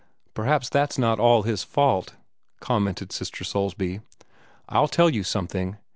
"Perhaps that's not all his fault," commented Sister Soulsby. "I'll tell you something.